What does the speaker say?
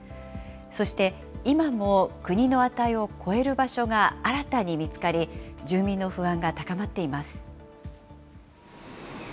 そして、今も国の値を超える場所が新たに見つかり、住民の不安が高まっています。